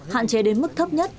hạn chế đến mức thấp nhất